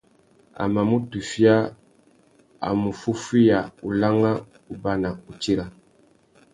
A mà mù tufia, a mù fúffüiya ulangha, ubana, utira.